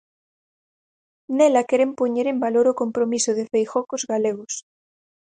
Nela queren poñer en valor o compromiso de Feijóo cos galegos.